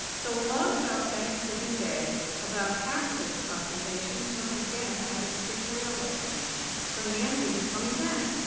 So, along about Thanksgiving Day, about half of its population was again at its big railway station, for Nancy was coming back.